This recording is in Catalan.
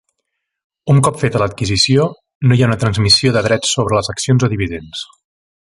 Un cop feta l'adquisició, no hi ha una transmissió de drets sobres les accions o dividends.